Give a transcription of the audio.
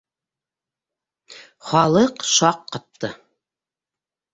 - Халыҡ шаҡ ҡатты.